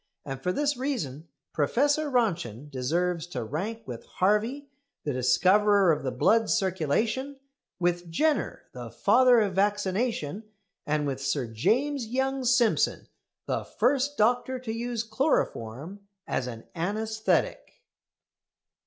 And for this reason Professor Röntgen deserves to rank with Harvey, the discoverer of the blood's circulation; with Jenner, the father of vaccination; and with Sir James Young Simpson, the first doctor to use chloroform as an anæsthetic.